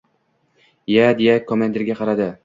— Iya! — deya komandirga qaradi.